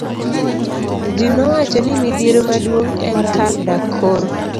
Ji nowacho ni midhiero maduong' en kar dak koro.